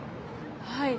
はい。